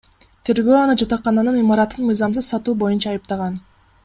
Тергөө аны жатакананын имаратын мыйзамсыз сатуу боюнча айыптаган.